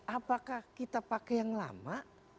apakah kita pakai yang lama